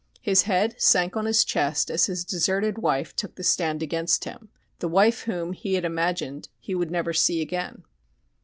His head sank on his chest as his deserted wife took the stand against him the wife whom, he had imagined, he would never see again.